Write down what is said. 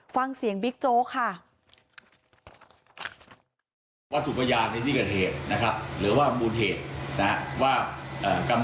ฟังเสียงบิ๊กโจ๊กค่ะ